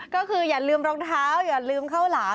ก็คืออย่าลืมรองเท้าอย่าลืมข้าวหลาม